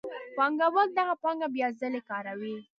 پانګوال دغه پانګه بیا ځلي کاروي